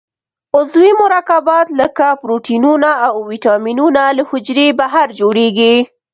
عضوي مرکبات لکه پروټینونه او وېټامینونه له حجرې بهر جوړیږي.